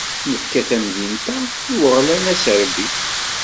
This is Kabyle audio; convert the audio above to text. Nefka tamdint-a i Weɣlan Aserbi.